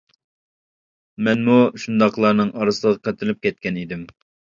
مەنمۇ شۇنداقلارنىڭ ئارىسىغا قېتىلىپ كەتكەن ئىدىم.